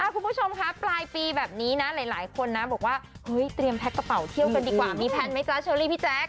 คุณผู้ชมคะปลายปีแบบนี้นะหลายคนนะบอกว่าเฮ้ยเตรียมแพ็คกระเป๋าเที่ยวกันดีกว่ามีแพลนไหมจ๊ะเชอรี่พี่แจ๊ค